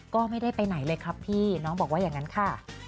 ก็ไม่ได้ไปไหนเลยครับพี่น้องบอกว่าอย่างนั้นค่ะ